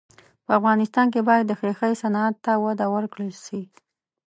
په افغانستان کې باید د ښیښې صنعت ته وده ورکړل سي.